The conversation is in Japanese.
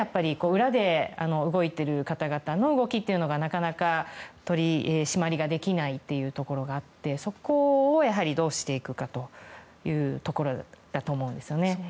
裏で動いている方々の動きというのが、なかなか取り締まりできないというところがあってそこをどうしていくかというところだと思います。